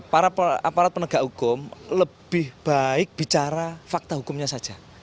para aparat penegak hukum lebih baik bicara fakta hukumnya saja